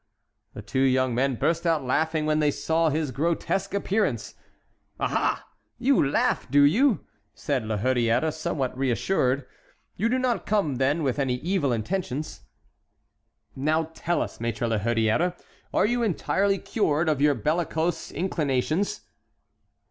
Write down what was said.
The two young men burst out laughing when they saw his grotesque appearance. "Aha! you laugh, do you?" said La Hurière, somewhat reassured, "you do not come, then, with any evil intentions." "Now tell us, Maître La Hurière, are you entirely cured of your bellicose inclinations?"